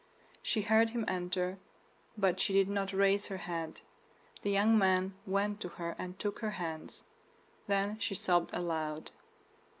She heard him enter, but she did not raise her head. The young man went to her and took her hands; then she sobbed aloud.